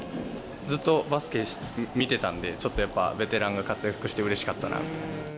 ずっとバスケ見てたんで、ちょっとやっぱ、ベテランが活躍してうれしかったな。